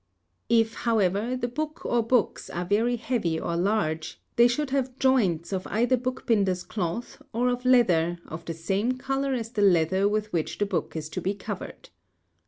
If, however, the book or books are very heavy or large, they should have "joints" of either bookbinders' cloth or of leather of the same colour as the leather with which the book is to be covered.